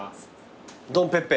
ドン・ペッペ。